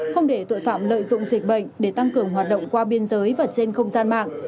không để tội phạm lợi dụng dịch bệnh để tăng cường hoạt động qua biên giới và trên không gian mạng